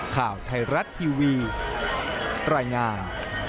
ข่าวไทยรัฐทีวีรายงาน